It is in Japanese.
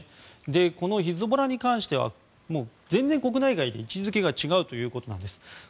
このヒズボラに関しては全然、国内外で位置づけが違うということなんです。